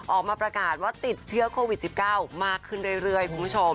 ออกมาประกาศว่าติดเชื้อโควิด๑๙มากขึ้นเรื่อยคุณผู้ชม